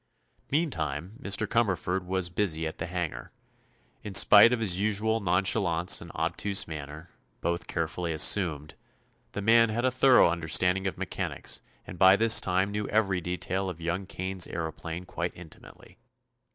Meantime Mr. Cumberford was busy at the hangar. In spite of his usual nonchalance and obtuse manner—both carefully assumed—the man had a thorough understanding of mechanics and by this time knew every detail of young Kane's aëroplane quite intimately.